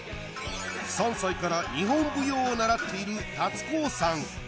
３歳から日本舞踊を習っている立光さん